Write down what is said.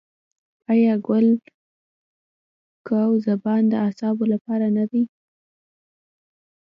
آیا ګل ګاو زبان د اعصابو لپاره نه دی؟